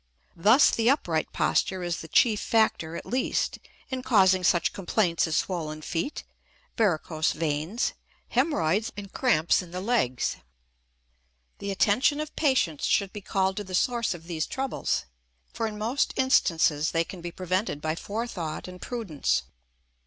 Thus the upright posture is the chief factor, at least, in causing such complaints as swollen feet, varicose veins, hemorrhoids, and cramps in the legs. The attention of patients should be called to the source of these troubles, for in most instances they can be prevented by forethought and prudence.